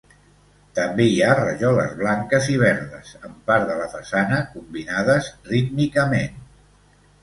També hi ha rajoles blanques i verdes, en part de la façana, combinades rítmicament.